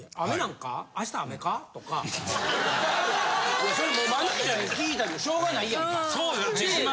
いやそれもうマネジャーに聞いたってしょうがないやんか。